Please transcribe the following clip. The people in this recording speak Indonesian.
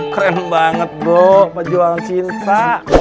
keren banget bu pejuang cinta